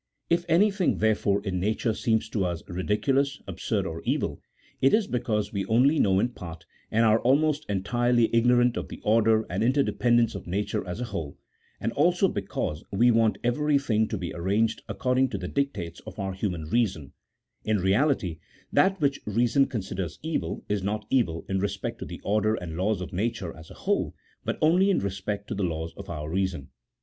If anything, therefore, in nature seems to us ridiculous, absurd, or evil, it is because we only know in part, and are almost entirely ignorant of the order and interdependence of nature as a whole, and also because we want everything to be arranged according to the dictates of our human reason ; in reality that which reason considers evil, is not evil in respect to the order and laws of nature as a whole, but only in respect to the laws of our reason.